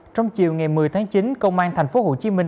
trong chiều ngày một mươi tháng chín công an thành phố hồ chí minh